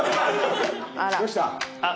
どうした？